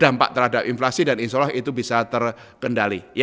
dampak terhadap inflasi dan insya allah itu bisa terkendali